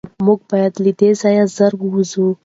موږ باید له دې ځایه زر ووځو.